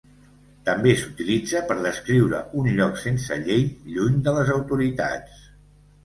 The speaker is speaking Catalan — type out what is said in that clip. També s'utilitza per descriure un lloc sense llei lluny de les autoritats.